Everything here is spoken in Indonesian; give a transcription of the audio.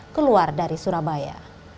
keluar dari surabaya